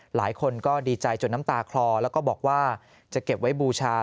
หลายคนก็ดีใจจนน้ำตาคลอแล้วก็บอกว่าจะเก็บไว้บูชา